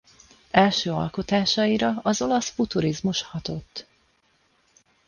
Első alkotásaira az olasz futurizmus hatott.